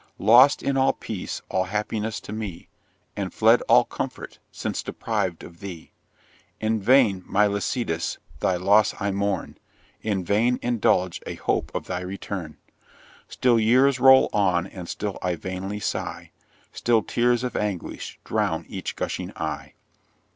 Lost is all peace all happiness to me, And fled all comfort, since deprived of thee. In vain, my Lycidas, thy loss I mourn, In vain indulge a hope of thy return; Still years roll on and still I vainly sigh, Still tears of anguish drown each gushing eye.